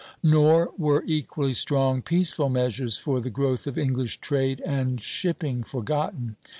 Nor were equally strong peaceful measures for the growth of English trade and shipping forgotten.